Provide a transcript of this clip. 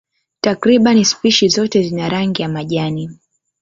Takriban spishi zote zina rangi ya majani.